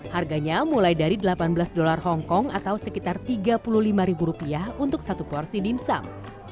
harganya mulai dari delapan belas dolar hongkong atau sekitar tiga puluh lima ribu rupiah untuk satu porsi dimsum